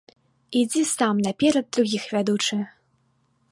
Ідзі сам наперад другіх ведучы!